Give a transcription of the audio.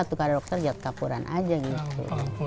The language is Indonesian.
tukar dokter jagad kapuran aja gitu